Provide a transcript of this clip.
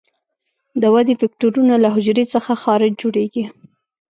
د ودې فکټورونه له حجرې څخه خارج جوړیږي.